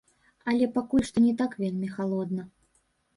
Але пакуль што не так вельмі халодна.